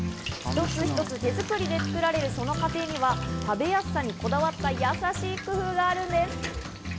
一つ一つ手づくりで作られるその過程には食べやすさにこだわった、やさしい工夫があるんです。